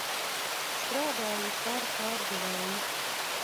Strādāju par pārdevēju.